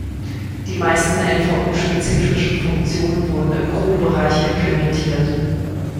Die meisten Nvu-spezifischen Funktionen wurden im Chrome-Bereich implementiert.